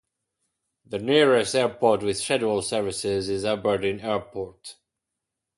The nearest airport with scheduled services is Aberdeen Airport.